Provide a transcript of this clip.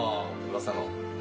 噂の。